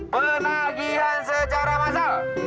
penagihan secara massal